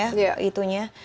itu memang ya itunya